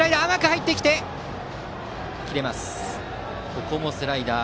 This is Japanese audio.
ここもスライダー。